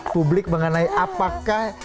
publik mengenai apakah